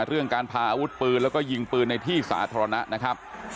เรื่องการพาอาวุธปืนแล้วก็ยิงปืนในที่สาธารณะนะครับ